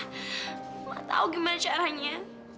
gue enggak tahu gimana caranya